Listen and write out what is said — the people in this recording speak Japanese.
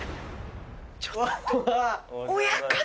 ちょっと親方。